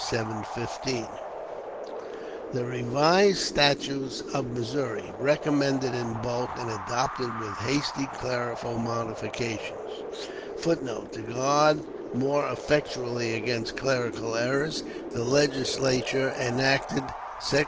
715.] The "Revised Statutes of Missouri," recommended in bulk, and adopted with hasty clerical modifications, [Footnote: To guard more effectually against clerical errors, the Legislature enacted: "Sec.